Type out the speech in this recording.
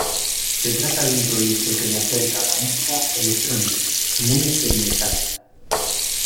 Se trata de un proyecto que le acerca a la música electrónica, muy experimental.